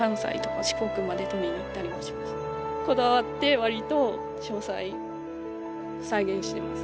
こだわって割と詳細再現しています。